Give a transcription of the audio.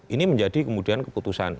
ini menjadi kemudian keputusan